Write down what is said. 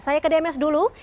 saya ke demes dulu